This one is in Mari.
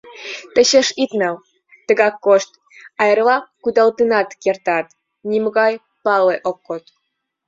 — Тачеш ит нал, тыгак кошт, а эрла кудалтенат кертат, нимогай пале ок код.